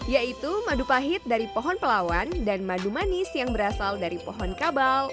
yaitu madu pahit dari pohon pelawan dan madu manis yang berasal dari pohon kabal